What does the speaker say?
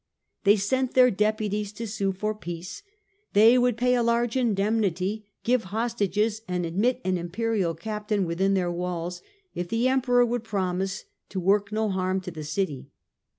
They sent their deputies to sue for peace : they would pay a large in demnity, give hostages, and admit an Imperial Captain within their walls, if the Emperor would promise to work no harm to the city.